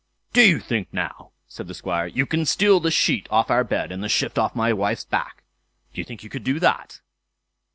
"Do you think, now", said the Squire, "you can steal the sheet off our bed, and the shift off my wife's back. Do you think you could do that?"